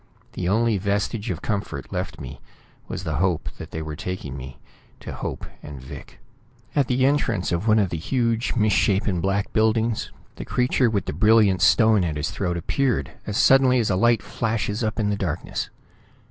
The only vestige of comfort left me was the hope that they were taking me to Hope and Vic. At the entrance of one of the huge misshapen black buildings, the creature with the brilliant stone at his throat appeared as suddenly as a light flashes up in the darkness.